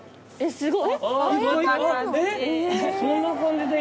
すごい。